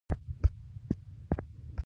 زموږ معارف له عملي ژونده لرې دی.